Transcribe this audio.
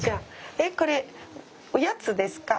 えこれおやつですか？